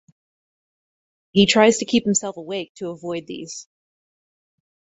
He tries to keep himself awake to avoid these.